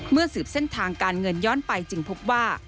สืบเส้นทางการเงินย้อนไปจึงพบว่า